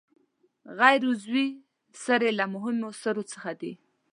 غیر عضوي سرې له مهمو سرو څخه دي.